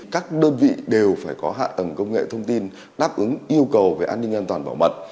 các đơn vị đều phải có hạ tầng công nghệ thông tin đáp ứng yêu cầu về an ninh an toàn bảo mật